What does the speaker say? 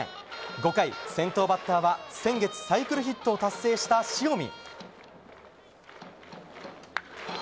５回、先頭バッターは先月サイクルヒットを達成した塩見。